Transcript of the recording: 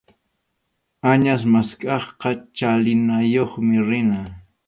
Añas maskaqqa chalinayuqmi rina.